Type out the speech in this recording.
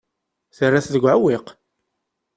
Terra-t deg uɛewwiq.